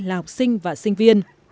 là học sinh và sinh viên